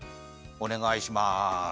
おねがいします。